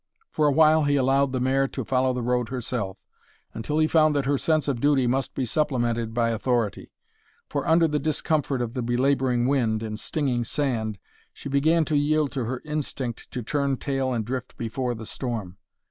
For a while he allowed the mare to follow the road herself, until he found that her sense of duty must be supplemented by authority. For, under the discomfort of the belaboring wind and stinging sand, she began to yield to her instinct to turn tail and drift before the storm.